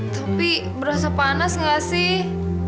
tapi berasa panas nggak sih